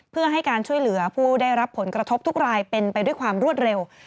เพื่อให้การช่วยเหลือผู้ได้รับผลกระทบทุกรายเป็นไปด้วยความรวดเร็ว